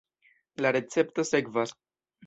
La recepto sekvas.